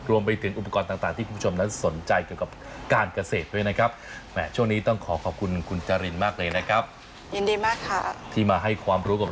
รวมไปถึงอุปกรณ์ต่างที่คุณผู้ชมนั้นสนใจเกี่ยวกับการเกษตรด้วยนะครับ